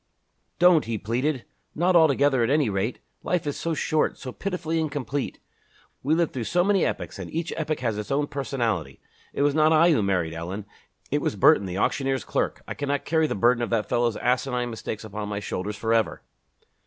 "Don't!" he pleaded, "not altogether, at any rate. Life is so short, so pitifully incomplete. We live through so many epochs and each epoch has its own personality. It was not I who married Ellen. It was Burton, the auctioneer's clerk. I cannot carry the burden of that fellow's asinine mistakes upon my shoulders forever."